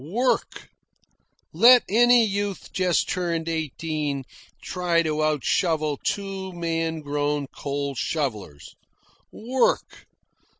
Work! Let any youth just turned eighteen try to out shovel two man grown coal shovellers. Work!